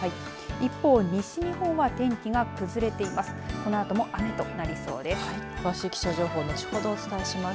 一方、西日本は天気が崩れています。